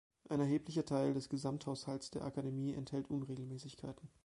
Ein erheblicher Teil des Gesamthaushalts der Akademie enthält Unregelmäßigkeiten.